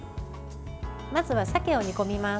まずは鮭を煮込みます。